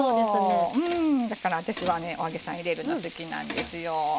だから私はねお揚げさん入れるの好きなんですよ。